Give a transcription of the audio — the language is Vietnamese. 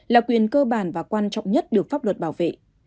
là quyền cơ bản và quan trọng nhất được pháp luật bảo vệ